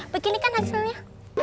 begini kan hasilnya